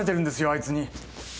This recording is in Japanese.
あいつに。